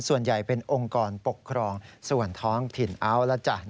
ส่วนใหญ่เป็นองค์กรปกครองส่วนท้องถิ่นเอาละจ้ะ